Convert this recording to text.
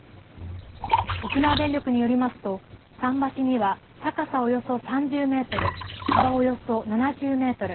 沖縄電力によりますと桟橋には高さおよそ３０メートル幅およそ７０メートル